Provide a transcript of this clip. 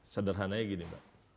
sederhananya gini mbak